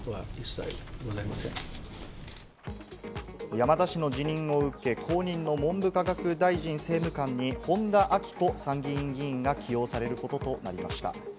山田氏の辞任を受け、後任の文部科学大臣政務官に本田顕子参議院議員が起用されることとなりました。